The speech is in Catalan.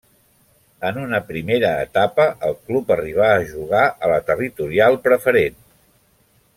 En una primera etapa el club arribà a jugar a la Territorial Preferent.